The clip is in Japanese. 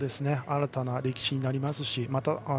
新たな歴史になりますしまた